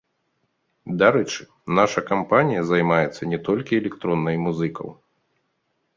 Дарэчы, наша кампанія займаецца не толькі электроннай музыкаў.